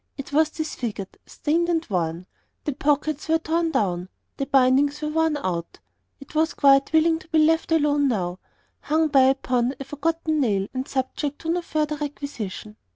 It was disfigured, stained and worn. The pockets were torn down. The bindings were worn out. It was quite willing to be left alone now, hung by upon a forgotten nail, and subject to no further requisition.